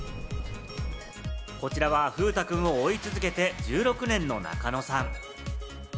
こちらは風太くんを追い続けて１６年の中野さん。